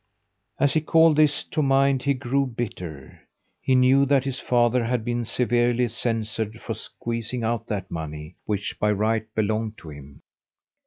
As he called this to mind he grew bitter. He knew that his father had been severely censured for squeezing out that money, which by right belonged to him.